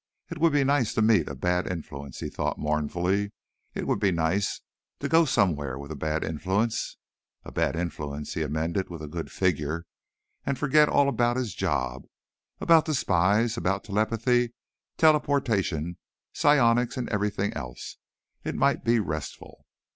It would be nice to meet a bad influence, he thought mournfully. It would be nice to go somewhere with a bad influence (a bad influence, he amended, with a good figure) and forget all about his job, about the spies, about telepathy, teleportation, psionics and everything else. It might be restful.